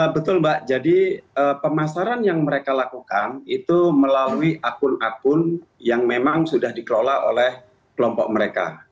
betul mbak jadi pemasaran yang mereka lakukan itu melalui akun akun yang memang sudah dikelola oleh kelompok mereka